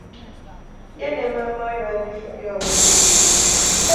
Ye ne maama we bandifunye obuzibu.